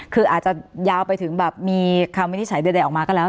คืออาจจะยาวไปถึงแบบมีคำวินิจฉัยใดออกมาก็แล้ว